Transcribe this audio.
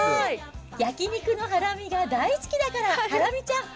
焼き肉のハラミが大好きだから、ハラミちゃん。